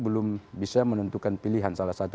belum bisa menentukan pilihan salah satu